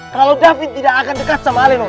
kalau davin tidak akan deket sama alinon